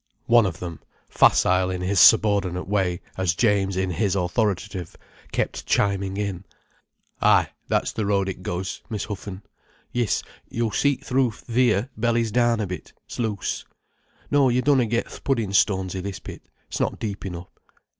One of them, facile in his subordinate way as James in his authoritative, kept chiming in: "Ay, that's the road it goes, Miss Huffen—yis, yo'll see th' roof theer bellies down a bit—s' loose. No, you dunna get th' puddin' stones i' this pit—s' not deep enough.